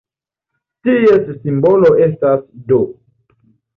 Ties simbolo estas "d".